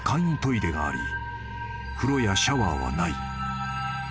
［風呂やシャワーはない］